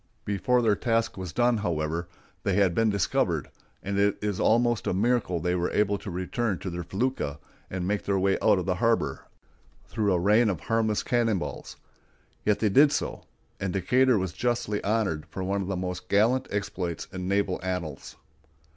Before their task was done, however, they had been discovered, and it is almost a miracle that they were able to return to their felucca, and make their way out of the harbor, through a rain of harmless cannon balls; yet they did so, and Decatur was justly honored for one of the most gallant exploits in naval annals.